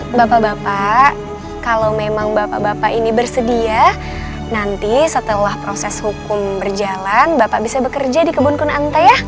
bapak bapak kalau memang bapak bapak ini bersedia nanti setelah proses hukum berjalan bapak bisa bekerja di kebun kunanta ya